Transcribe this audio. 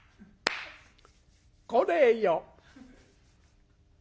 「これよ」。